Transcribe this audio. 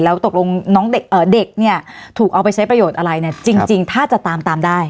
แล้วตกลงน้องเด็กเนี่ยถูกเอาไปใช้ประโยชน์อะไรเนี่ยจริงถ้าจะตามตามได้